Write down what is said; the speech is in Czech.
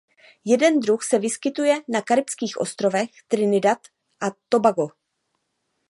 Jeden druh se vyskytuje na Karibských ostrovech Trinidad a Tobago.